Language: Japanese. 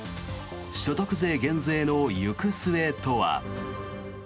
所得税減税の行く末とは。